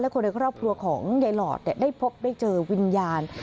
คนในครอบครัวของยายหลอดได้พบได้เจอวิญญาณ